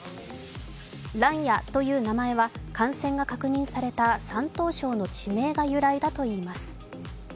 ランヤという名前は、感染が確認された山東省の地名が由来だといいます。